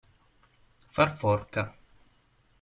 Far forca.